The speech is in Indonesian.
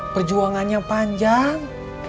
perjuangan yang panjang